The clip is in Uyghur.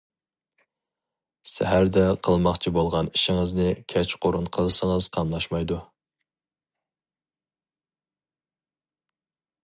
سەھەردە قىلماقچى بولغان ئىشىڭىزنى كەچقۇرۇن قىلسىڭىز قاملاشمايدۇ.